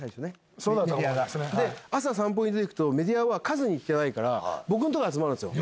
朝散歩に出ていくとメディアはカズに聞けないから僕んとこに集まるんですよ